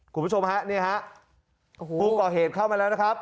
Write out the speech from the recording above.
คุณผู้ชมฮะนี่ฮะผู้ก่อเหตุเข้ามาแล้วนะครับ